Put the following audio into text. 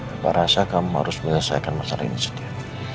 aku rasa kamu harus menyelesaikan masalah ini sendiri